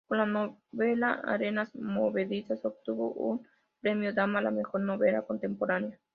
Con la novela Arenas movedizas obtuvo un premio Dama a la mejor novela contemporánea.